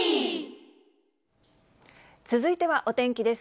続いてはお天気です。